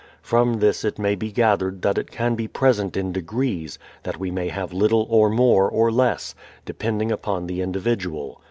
From this it may be gathered that it can be present in degrees, that we may have little or more or less, depending upon the individual.